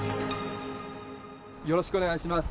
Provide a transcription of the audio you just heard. よろしくお願いします。